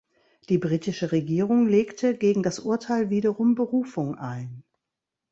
Die britische Regierung legte gegen das Urteil wiederum Berufung ein.